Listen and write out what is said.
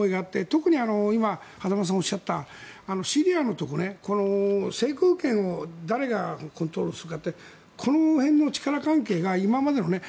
特に今、間さんがおっしゃったシリアのところ、制空権を誰がコントロールするかってこの辺の力関係が今までのね